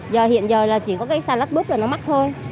giờ hiện giờ là chỉ có cái xà lách búp là nó mắc thôi